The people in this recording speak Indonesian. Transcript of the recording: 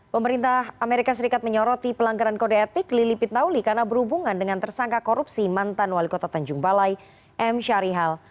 pemerintah amerika serikat menyoroti pelanggaran kode etik lili pintauli karena berhubungan dengan tersangka korupsi mantan wali kota tanjung balai m syarihal